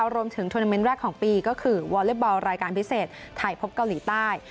ทวนาเมนต์แรกของปีก็คือวอเล็กบอลรายการพิเศษไทยพบเกาหลีใต้